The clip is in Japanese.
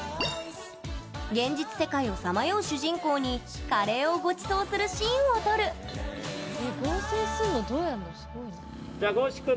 現実世界をさまよう主人公にカレーをごちそうするシーンを撮る合成すんのどうやんの？